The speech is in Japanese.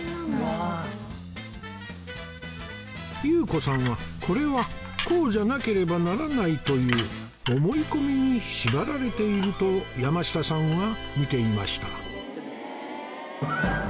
祐子さんはこれはこうじゃなければならないという思い込みに縛られているとやましたさんは見ていました